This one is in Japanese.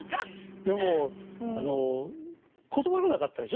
でもあの断らなかったでしょ？